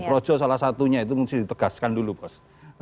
projo salah satunya itu mesti ditegaskan dulu bos